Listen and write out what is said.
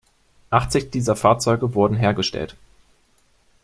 Achtzig dieser Fahrzeuge wurden hergestellt.